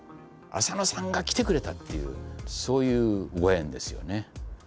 浅野さんが来てくれたっていうそういうご縁ですよね。